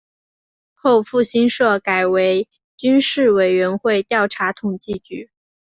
后复兴社改为军事委员会调查统计局。